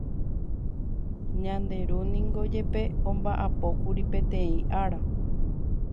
Ñande Ru niko jepe omba'apókuri poteĩ ára.